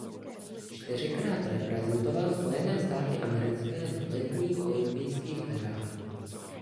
Čtyřikrát reprezentoval Spojené státy americké na letních olympijských hrách.